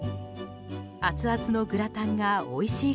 アツアツのグラタンがおいしい